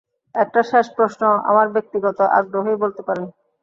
একটা শেষ প্রশ্ন, আমার ব্যক্তিগত আগ্রহই বলতে পারেন।